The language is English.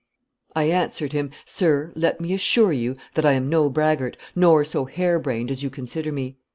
I answered him, 'Sir, let me assure you that I am no braggart, nor so hare brained as you consider me.